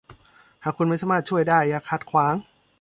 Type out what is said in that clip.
หากคุณไม่สามารถช่วยได้อย่าขัดขวาง